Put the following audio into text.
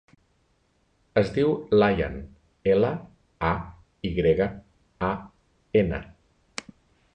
Es diu Layan: ela, a, i grega, a, ena.